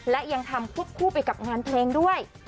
และยังทำควบคู่ไปกับงานเพลงด้วย